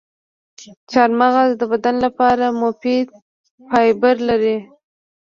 چارمغز د بدن لپاره مفید فایبر لري.